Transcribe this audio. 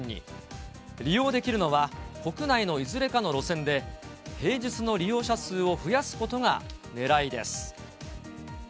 利用できるのは国内のいずれかの路線で、平日の利用者数を増やすことがねらいです。